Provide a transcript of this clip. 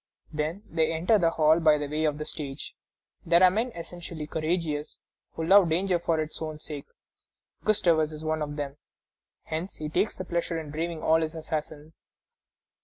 Then they enter the hall by way of the stage. There are men essentially courageous, who love danger for its own sake. Gustavus is one of them. Hence he takes pleasure in braving all his assassins.